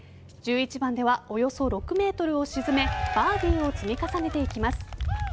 １１番ではおよそ６ｍを沈めバーディーを積み重ねていきます。